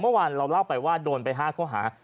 เมื่อวานเราเล่าไปว่าโดนไป๕ข้อหา